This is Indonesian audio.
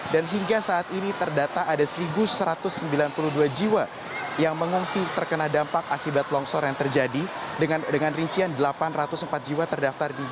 dan hingga saat ini terdata ada satu satu ratus sembilan puluh dua jiwa yang mengungsi terkena dampak akibat longsor yang terjadi dengan rincian delapan ratus empat jiwa terdaftar di gelengga